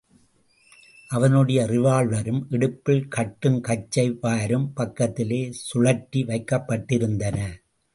அவனுடைய ரிவால்வரும் இடுப்பில் கட்டும் கச்சை வாரும் பக்கத்திலே கழற்றி வைக்கப்பட்டிருந்தன.